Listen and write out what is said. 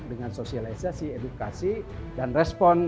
dengan sosialisasi edukasi dan respon